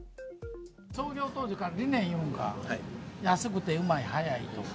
創業当時から理念言うんか、安くてうまい、早いと。